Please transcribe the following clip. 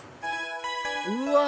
うわ！